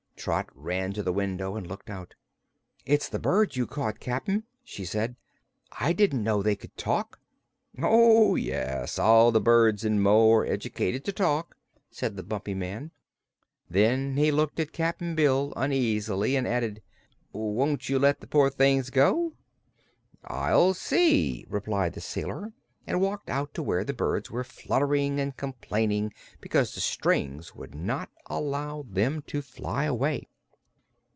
Trot ran to the window and looked out. "It's the birds you caught, Cap'n," she said. "I didn't know they could talk." "Oh, yes; all the birds in Mo are educated to talk," said the Bumpy Man. Then he looked at Cap'n Bill uneasily and added: "Won't you let the poor things go?" "I'll see," replied the sailor, and walked out to where the birds were fluttering and complaining because the strings would not allow them to fly away.